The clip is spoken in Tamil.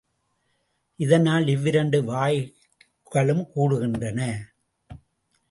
இதனால் இவ்விரண்டு வாயுக்களும் கூடுகின்றன.